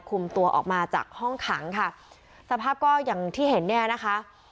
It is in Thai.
คุมตัวออกมาจากห้องขังค่ะสภาพก็อย่างที่เห็นเนี่ยนะคะ